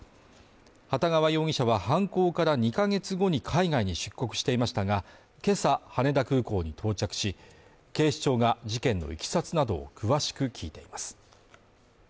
幟川容疑者は犯行から２か月後に海外に出国していましたが、今朝羽田空港に到着し警視庁が事件の経緯などを詳しく聞いています